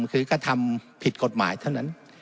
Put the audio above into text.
คือก็ทำผิดกฎหมายเท่านั้น